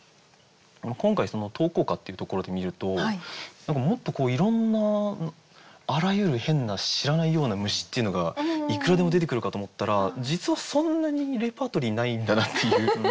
今回投稿歌っていうところで見るともっといろんなあらゆる変な知らないような虫っていうのがいくらでも出てくるかと思ったら実はそんなにレパートリーないんだなっていう。